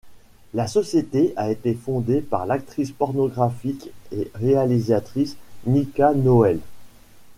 La société a été fondée par l'actrice pornographique et réalisatrice Nica Noelle.